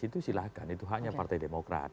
itu silahkan itu haknya partai demokrat